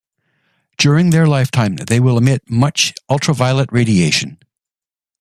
During their lifetime, they will emit much ultraviolet radiation.